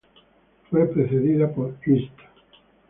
Fue precedida por "Hist.